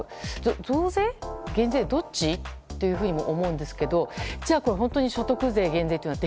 増税、減税、どっち？とも思うんですけどじゃあ本当に所得税減税は